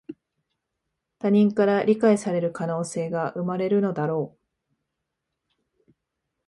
他人から理解される可能性が生まれるのだろう